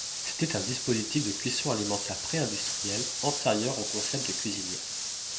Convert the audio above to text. C'était un dispositif de cuissons alimentaires pré-industrielles, antérieur au concept de cuisinière.